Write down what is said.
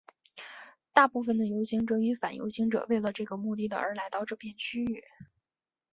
大部分的游行者与反游行者为了这个目的而来到这片区域。